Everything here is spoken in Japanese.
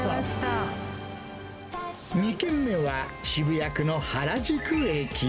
２軒目は、渋谷区の原宿駅。